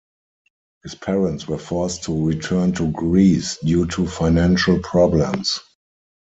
His parents were forced to return to Greece due to financial problems.